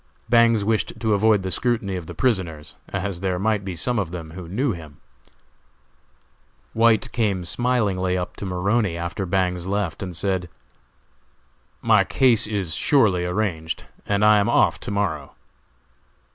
Bangs wished to avoid the scrutiny of the prisoners, as there might be some of them who knew him. White came smilingly up to Maroney after Bangs left and said: "My case is surely arranged, and I am off to morrow."